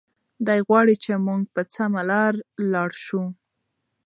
دی غواړي چې موږ په سمه لاره لاړ شو.